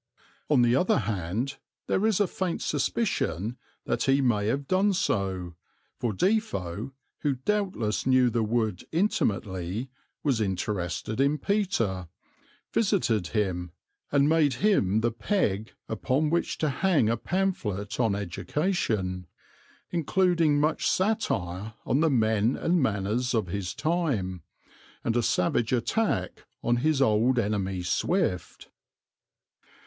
On the other hand there is a faint suspicion that he may have done so, for Defoe, who doubtless knew the wood intimately, was interested in Peter, visited him, and made him the peg upon which to hang a pamphlet on education, including much satire on the men and manners of his time, and a savage attack on his old enemy Swift.